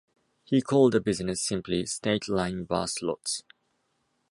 He called the business simply "State Line Bar:Slots".